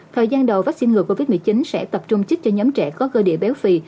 thời gian đầu vaccine ngừa covid một mươi chín sẽ tập trung trích cho nhóm trẻ có cơ địa béo phì